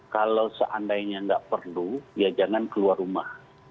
kalau seandainya nggak perlu ya jangan keluar rumah